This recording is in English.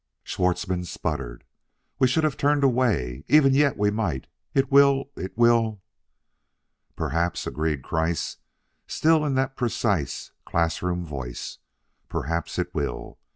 Schwartzmann sputtered: "We should haff turned away. Even yet we might. It will it will " "Perhaps," agreed Kreiss, still in that precise, class room voice, "perhaps it will.